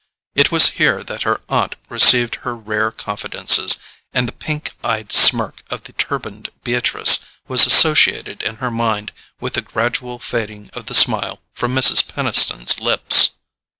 It was here that her aunt received her rare confidences, and the pink eyed smirk of the turbaned Beatrice was associated in her mind with the gradual fading of the smile from Mrs. Peniston's lips.